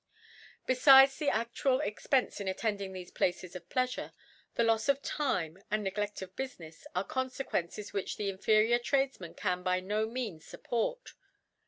Befides the aftual Expence in attending thefe Places of Pleafure, the Lofs of Time and Neglcd: of Bufinefe arc Confequences which the inferior Tradefman can by no means means fupport.